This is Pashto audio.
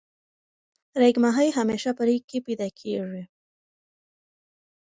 ریګ ماهی همیشه په ریګ کی پیدا کیږی.